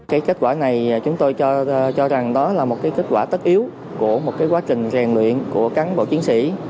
cái kết quả này chúng tôi cho rằng đó là một cái kết quả tất yếu của một cái quá trình rèn luyện của cán bộ chiến sĩ